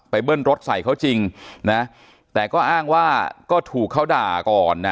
เบิ้ลรถใส่เขาจริงนะแต่ก็อ้างว่าก็ถูกเขาด่าก่อนนะ